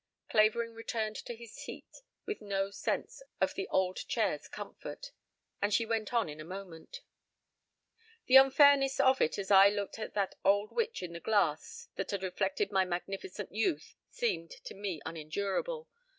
Clavering returned to his seat with no sense of the old chair's comfort, and she went on in a moment. "The unfairness of it as I looked at that old witch in the glass that had reflected my magnificent youth, seemed to me unendurable.